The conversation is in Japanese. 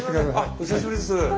お久しぶりです。